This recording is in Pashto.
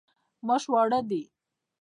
ماش واړه دي.